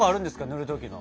塗る時の。